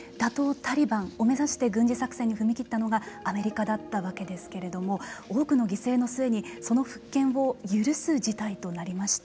タリバンを目指して軍事作戦に踏み切ったのがアメリカだったわけですけれども多くの犠牲の末にその復権を許す事態となりました。